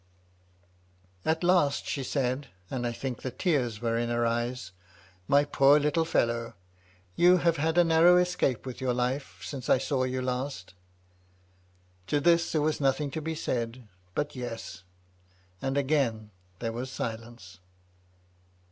At last she said, and I think the tears were in her eyes :" My poor little fellow, you have had a narrow escape with your life since I saw you last." To this there was nothing to be said but "Yes;" and again there was silence.